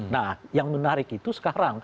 nah yang menarik itu sekarang